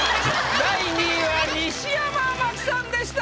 第２位は西山茉希さんでした！